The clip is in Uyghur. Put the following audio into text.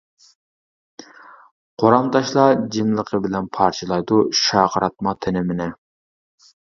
قورام تاشلار جىملىقى بىلەن پارچىلايدۇ شارقىراتما تىنىمنى.